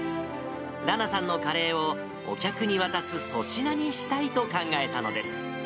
らなさんのカレーを、お客に渡す粗品にしたいと考えたのです。